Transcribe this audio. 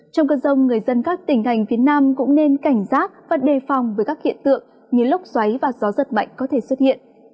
trong cơn rông người dân các tỉnh thành phía nam cũng nên cảnh giác và đề phòng với các hiện tượng như lốc xoáy và gió giật mạnh có thể xuất hiện